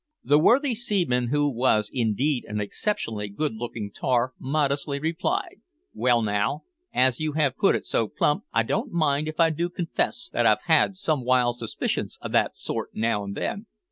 The worthy seaman, who was indeed an exceptionally good looking tar, modestly replied "Well now, as you have put it so plump I don't mind if I do confess that I've had some wild suspicions o' that sort now and then."